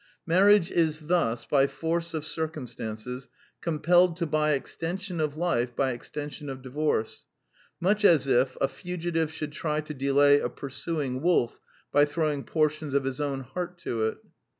Marriage is thus, by force of circumstances, compelled to buv extension of life by extension of divorce, much as if a fugitive should try to delay a pursuing wolf by throwing portions of his own heart to it.